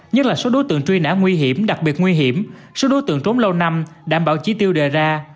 nhất là số đối tượng truy nã nguy hiểm đặc biệt nguy hiểm số đối tượng trốn lâu năm đảm bảo chỉ tiêu đề ra